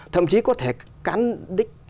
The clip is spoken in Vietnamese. thậm chí có thể cắn đích